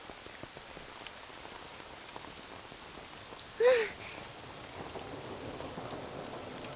うん！